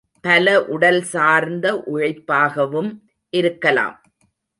பல உடல் சார்ந்த உழைப்பாகவும் இருக்கலாம்.